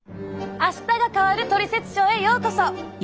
「あしたが変わるトリセツショー」へようこそ。